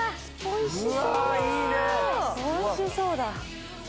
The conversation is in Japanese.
おいしそうだ。